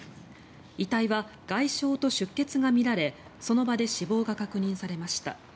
遺体は外傷と出血が見られその場で死亡が確認されました。